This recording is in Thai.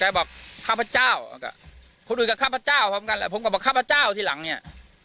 แกบอกข้าพเจ้าคนอื่นก็ข้าพเจ้าผมก็บอกข้าพเจ้าที่หลังเนี่ย